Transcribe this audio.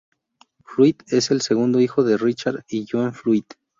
Flutie es el segundo hijo de Richard y Joan Flutie.